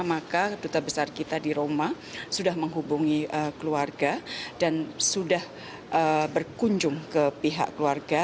maka duta besar kita di roma sudah menghubungi keluarga dan sudah berkunjung ke pihak keluarga